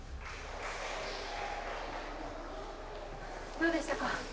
どうでしたか？